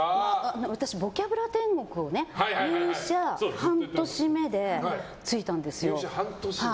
私、「ボキャブラ天国」を入社半年目でついたんですよ。